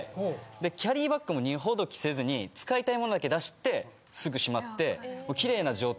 キャリーバッグも荷ほどきせずに使いたい物だけ出してすぐしまって。